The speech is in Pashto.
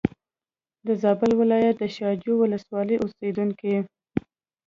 د زابل ولایت د شا جوی ولسوالۍ اوسېدونکی.